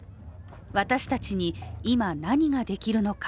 私たちに今、何ができるのか。